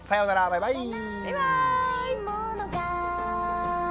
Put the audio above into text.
バイバーイ。